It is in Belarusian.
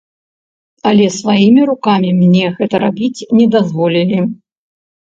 Але сваімі рукамі мне гэта рабіць не дазволілі.